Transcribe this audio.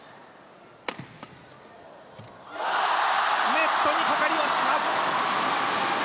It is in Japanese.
ネットにかかりました。